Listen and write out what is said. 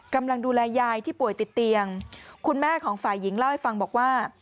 กำลังดูแลยายที่ป่วยติดเตียงคุณแม่ของฝ่ายหญิงเล่าให้ฟังบอกว่า